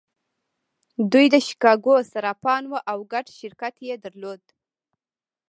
دوی د شیکاګو صرافان وو او ګډ شرکت یې درلود